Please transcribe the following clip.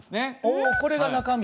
おこれが中身。